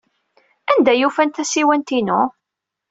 Anda ay ufant tasiwant-inu?